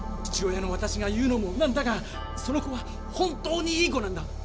父親の私が言うのもなんだがその子は本当にいい子なんだ。